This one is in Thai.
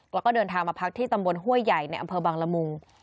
แล้วก็เดินทางมาพักที่ตำบลห้วยใหญ่ในอำเภอบังละมุง